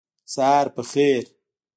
سهار په خیر